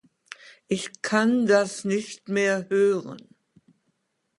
Ich kann das nicht mehr hören.